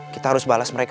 kita harus balas mereka